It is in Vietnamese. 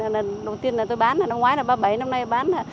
đầu tiên là tôi bán là năm ngoái là ba mươi bảy năm nay bán là